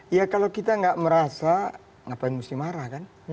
ya kalau kita nggak merasa ngapain mesti marah kan